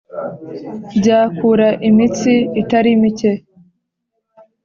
byakura imitsi itari micye